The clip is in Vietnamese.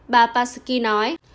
bà psaki nói